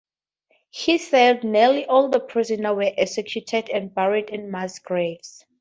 He said nearly all the prisoners were executed and buried in mass graves.